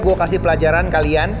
gua kasih pelajaran kalian